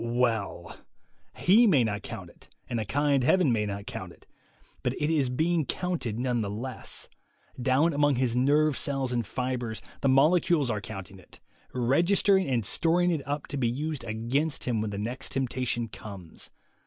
Well! he may not count it, and a kind Heaven may not count it ; but it is being counted none the less. Down among his nerve cells and fibres the molecules are counting it, registering and storing it up to be used against him when the next temptation comes.